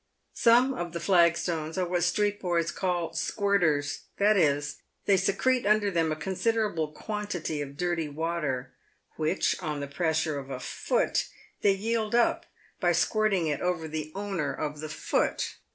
Some of the flagstones are what street boys call u squirters," that is, they secrete under them a considerable quantity of dirty water, which, on the pressure of a foot, they yield up, by squirting it over the owner of the foot.